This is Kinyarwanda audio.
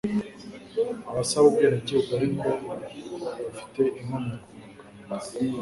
Abasaba ubwenegihugu ariko bafite inkomoko mu Rwanda,